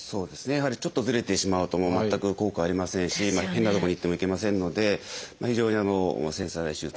やはりちょっとずれてしまうと全く効果ありませんし変なとこに行ってもいけませんので非常に繊細な手術。